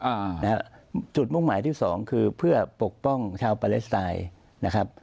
อ่านะฮะจุดมุ่งหมายที่สองคือเพื่อปกป้องชาวปาเลสไตน์นะครับ